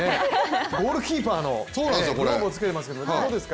ゴールキーパーのグローブをつけていますけど、どうですか？